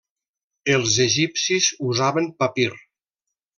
Els egipcis usaven papir.